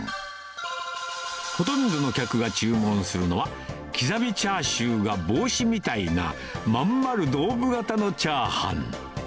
ほとんどの客が注文するのは、刻みチャーシューが帽子みたいな、まん丸ドーム型のチャーハン。